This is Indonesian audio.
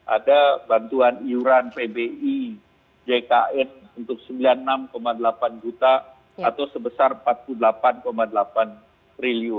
ada bantuan iuran pbi jkn untuk rp sembilan puluh enam delapan juta atau sebesar rp empat puluh delapan delapan triliun